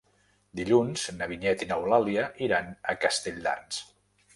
Dilluns na Vinyet i n'Eulàlia iran a Castelldans.